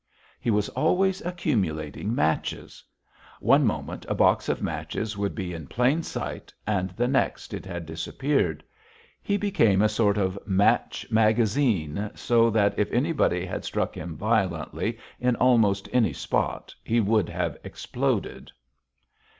He was always accumulating matches. One moment, a box of matches would be in plain sight and the next it had disappeared. He became a sort of match magazine, so that if anybody had struck him violently, in almost any spot, he would have exploded.